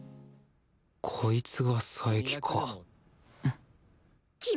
こいつが佐伯か君！